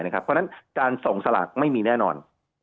เพราะฉะนั้นการส่งสลากไม่มีแน่นอน